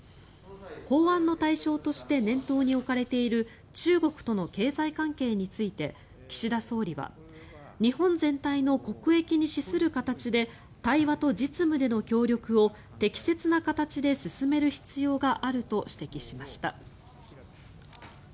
法案の対象として念頭に置かれている中国との経済関係について岸田総理は日本全体の国益に資する形で対話と実務での協力を適切な形で進める必要があると指摘しました。